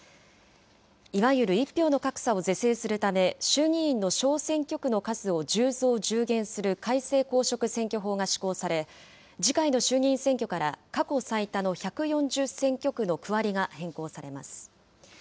いわゆる１票の格差を是正するため、衆議院の小選挙区の数を１０増１０減する改正公職選挙法が施行され、次回の衆議院選挙から、過去最多の１４０選挙区の区割りが変更されます。